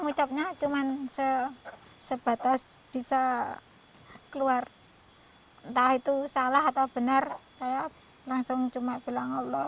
mengucapnya cuman sebatas bisa keluar entah itu salah atau benar saya langsung cuma bilang allah